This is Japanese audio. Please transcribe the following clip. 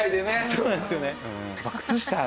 そうなんですよね。